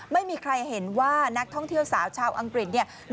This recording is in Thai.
ไม่มีใครเห็นว่านักท่องเที่ยวสาวชาวอังกฤษเนี่ย